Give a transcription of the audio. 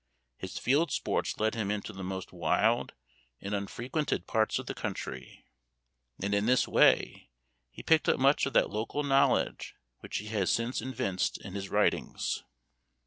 His field sports led him into the most wild and unfrequented parts of the country, and in this way he picked up much of that local knowledge which he has since evinced in his writings.